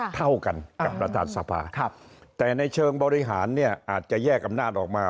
เท่ากันกับประธานสภาแต่ในเชิงบริหารเนี่ยอาจจะแยกอำนาจออกมา